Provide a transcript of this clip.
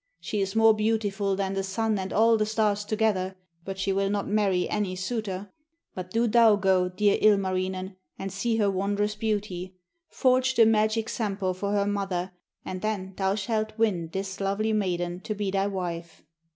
She is more beautiful than the sun and all the stars together, but she will not marry any suitor. But do thou go, dear Ilmarinen, and see her wondrous beauty; forge the magic Sampo for her mother and then thou shalt win this lovely maiden to be thy wife.'